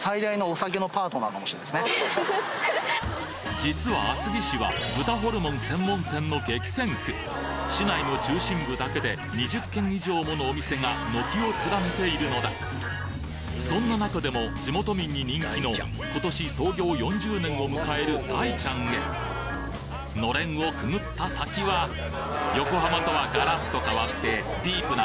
実は厚木市は豚ホルモン専門店の激戦区市内の中心部だけで２０軒以上ものお店が軒を連ねているのだそんな中でも地元民に人気の今年創業４０年を迎える大ちゃんへのれんをくぐった先は横浜とはガラッと変わってディープな